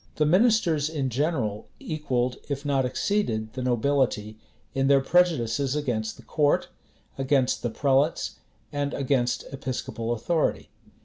The ministers in general equalled, if not exceeded, the nobility in their prejudices against the court, against the prelates, and against episcopal authority.